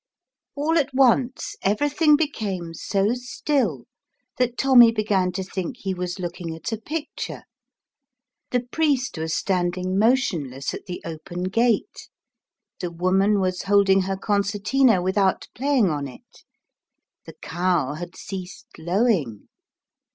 All at once everything became so still that Tommy began to think he was looking at a picture. The priest was standing motionless at the open gate ; the woman was holding her concertina without playing on it; the cow had ceased lowing.